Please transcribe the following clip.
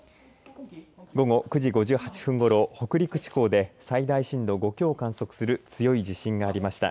午後９時５８分ごろ北陸地方で最大震度５強を観測する強い地震がありました。